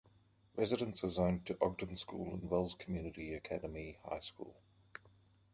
Residents are zoned to Ogden School and Wells Community Academy High School.